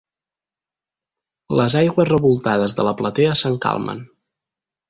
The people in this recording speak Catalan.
Les aigües revoltades de la platea s'encalmen.